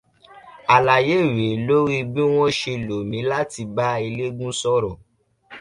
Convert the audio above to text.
Àlàyé rèé lórí bí wọn ṣe lò mí láti bá Elégún sọ̀rọ̀